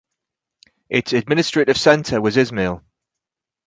Its administrative centre was Izmail.